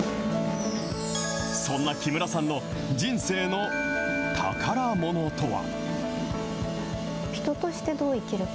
そんな木村さんの人生の宝ものとは。